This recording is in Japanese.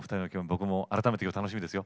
僕も改めて今楽しみですよ。